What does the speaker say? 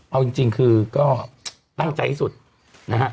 เอาจริงคือก็ตั้งใจที่สุดนะฮะ